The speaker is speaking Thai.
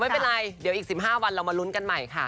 ไม่เป็นไรเดี๋ยวอีก๑๕วันเรามาลุ้นกันใหม่ค่ะ